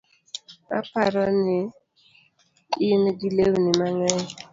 Aparo ni ingi lewni mang'eny